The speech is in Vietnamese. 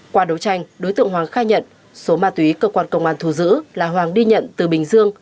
qua đấu tranh đối tượng hoàng khai nhận số ma túy cơ quan công an thu giữ là hoàng đi nhận từ bình dương